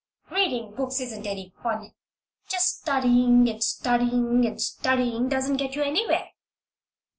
Reading books isn't any fun. Just studying, and studying, and studying doesn't get you anywhere."